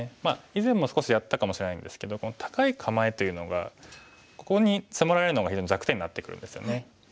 以前も少しやったかもしれないんですけど高い構えというのがここに迫られるのが非常に弱点になってくるんですよね。